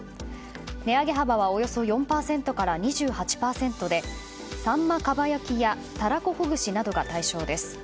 値上げ幅はおよそ４％から２８％でさんま蒲焼やたらこほぐしなどが対象です。